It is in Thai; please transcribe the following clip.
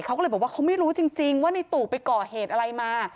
เขาก็เลยบอกว่าเขาไม่รู้จริงว่าในตู่ไปก่อเหตุอะไรมา